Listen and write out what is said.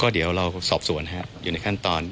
เดี๋ยวเราสอบสวนอยู่ในขั้นตอน